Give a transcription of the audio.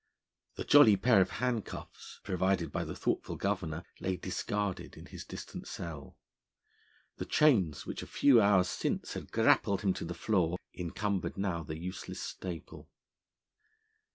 The 'jolly pair of handcuffs,' provided by the thoughtful Governor, lay discarded in his distant cell; the chains which a few hours since had grappled him to the floor encumbered the now useless staple.